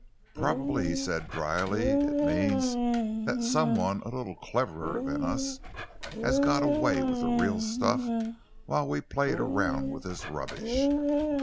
"Probably," he said drily, "it means that some one a little cleverer than us has got away with the real stuff whilst we played around with this rubbish."